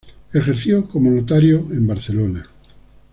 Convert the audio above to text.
Ejerció como notario en Barcelona.